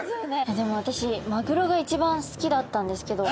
でも私マグロが一番好きだったんですけどお魚の中で。